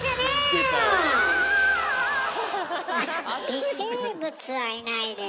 微生物はいないでしょ。